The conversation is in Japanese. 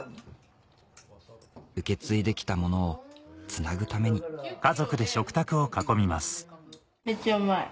受け継いできたものをつなぐためにめっちゃうまい。